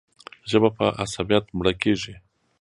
ژبه په عصبیت مړه کېږي.